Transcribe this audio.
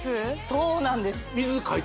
そうなんです